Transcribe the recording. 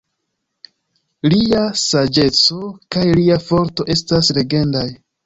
Lia saĝeco kaj lia forto estas legendaj.